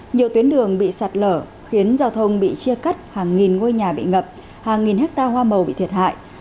nhiều tuyến đường bị sạt lở khiến giao thông bị chia cắt hàng nghìn ngôi nhà bị ngập hàng nghìn hectare hoa màu bị thiệt hại